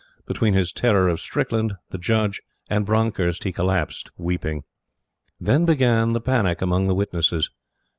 Between his terror of Strickland, the Judge, and Bronckhorst he collapsed, weeping. Then began the panic among the witnesses.